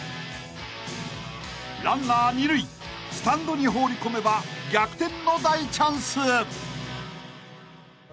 ［ランナー二塁スタンドに放りこめば逆転の大チャンス］